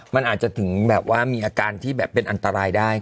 มันอาจจะถึงแบบว่ามีอาการที่แบบเป็นอันตรายได้